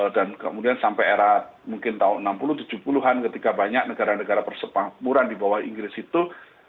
dan kemudian sampai era mungkin tahun enam puluh tujuh puluh an ketika banyak negara negara persemakmuran di bawah inggris itu